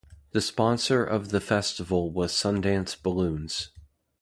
The sponsor of the festival was Sundance Balloons.